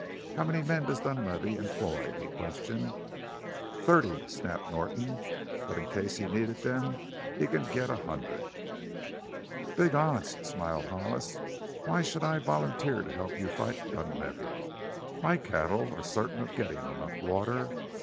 "How many men does Dunlavey employ?" he questioned. "Thirty," snapped Norton. "But in case he needed them he c'n get a hundred." "Big odds," smiled Hollis. "Why should I volunteer to help you fight Dunlavey? My cattle are certain of getting enough water.